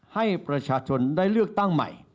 ให้ประชาชนได้เลือกตั้งใหม่